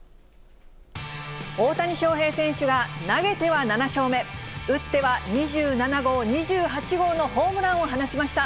大谷翔平選手が投げては７勝目、打っては２７号、２８号のホームランを放ちました。